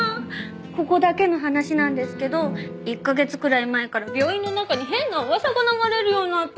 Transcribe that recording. ここだけの話なんですけど１カ月くらい前から病院の中に変な噂が流れるようになったんです。